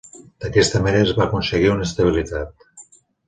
D'aquesta manera es va aconseguir una estabilitat.